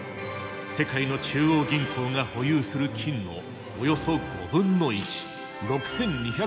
世界の中央銀行が保有する金のおよそ５分の１６２００トン。